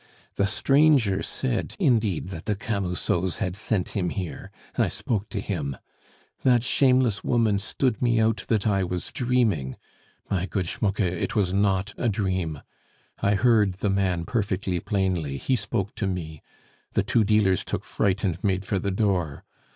The stranger said, indeed, that the Camusots had sent him here; I spoke to him.... That shameless woman stood me out that I was dreaming!... My good Schmucke, it was not a dream. I heard the man perfectly plainly; he spoke to me.... The two dealers took fright and made for the door....